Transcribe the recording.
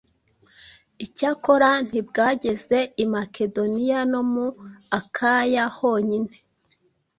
icyakora, ntibwageze i Makedoniya no mu Akaya honyine,